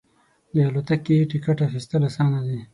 د الوتکې ټکټ اخیستل اسانه دی.